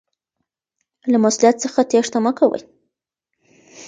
له مسؤلیت څخه تیښته مه کوئ.